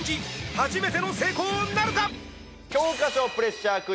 初めての成功なるか？